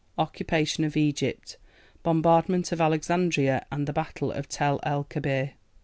OCCUPATION OF EGYPT. Bombardment of Alexandria and the Battle of Tel el Kebir.